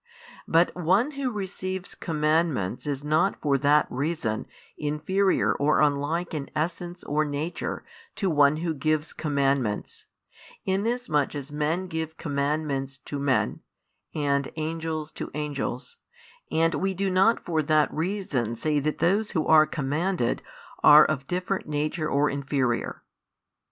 But one who receives commandments is not for that reason inferior or unlike in essence or nature to one who gives commandments, inasmuch as men give commandments to men, and angels to angels, and we do not for that reason say that those who are commanded are of different nature or inferior.